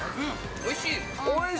おいしい？